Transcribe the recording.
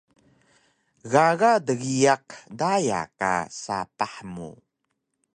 Gaga dgiyaq daya ka sapah mu